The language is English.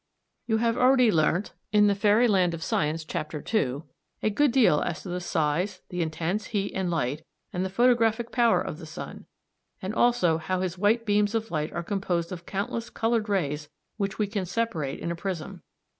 You have already learnt a good deal as to the size, the intense heat and light, and the photographic power of the sun, and also how his white beams of light are composed of countless coloured rays which we can separate in a prism.